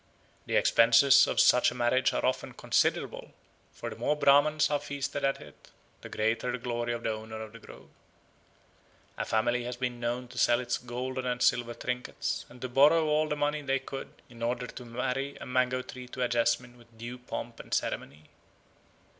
The expenses of such a marriage are often considerable, for the more Brahmans are feasted at it, the greater the glory of the owner of the grove. A family has been known to sell its golden and silver trinkets, and to borrow all the money they could in order to marry a mango tree to a jasmine with due pomp and ceremony.